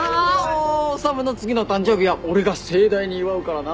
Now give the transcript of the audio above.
修の次の誕生日は俺が盛大に祝うからな。